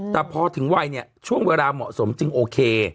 แต่พอถึงวัยเนี่ยช่วงเวลาเหมาะสมจึงโอเค